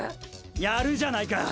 やるじゃないか。